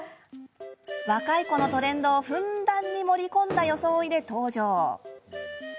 若い子のトレンドを、ふんだんに盛り込んだ装いで登場。